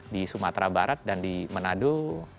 di sumatera barat dan di manado